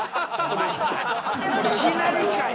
いきなりかい！